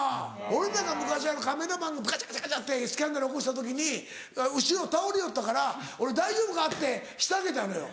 俺なんか昔カメラマンがカチャカチャカチャってスキャンダル起こした時に後ろ倒れよったから俺「大丈夫か？」ってしてあげたのよ。